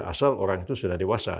asal orang itu sudah dewasa